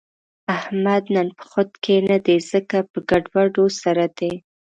احمد نن په خود کې نه دی، ځکه یې په ګډوډو سر دی.